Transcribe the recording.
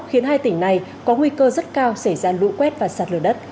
khiến hai tỉnh này có nguy cơ rất cao xảy ra lũ quét và sạt lửa đất